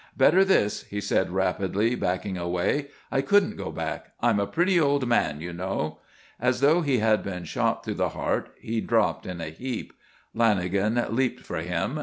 "Better this," he said, rapidly, backing away, "I couldn't go back. I'm a pretty old man, you know." As though he had been shot through the heart he dropped in a heap. Lanagan leaped for him.